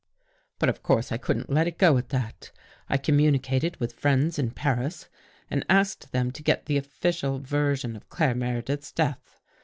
But of course I couldn't let it go at that. I communi cated with friends in Paris and asked them to get the official version of Claire Meredith's death.